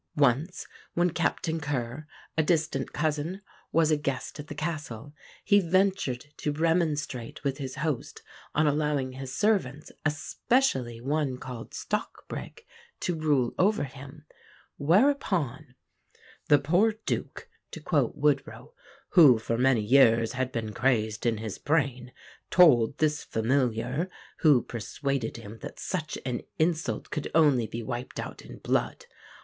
Once when Captain Ker, a distant cousin, was a guest at the castle, he ventured to remonstrate with his host on allowing his servants, especially one called Stockbrigg, to rule over him; whereupon "the poor Duke," to quote Woodrow, "who for many years had been crazed in his brain, told this familiar, who persuaded him that such an insult could only be wiped out in blood.